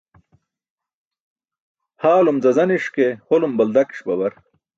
Haalum zazaniṣ ke holum baldakiṣ babar.